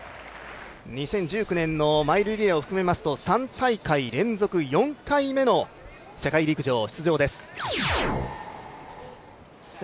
２０１９年のマイルリレーを含めますと３大会連続、４回目の世界陸上出場です。